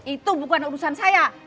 itu bukan urusan saya